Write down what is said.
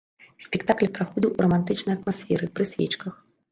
Спектакль праходзіў у рамантычнай атмасферы, пры свечках.